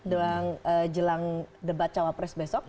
dalam jelang debat cawa press besok